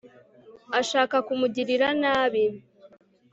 ashaka kumugirira nabi